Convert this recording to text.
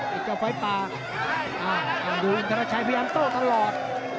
ไอ้เจ้าไปฟ้าทำดูอินรชัยพยานโต้ตลอด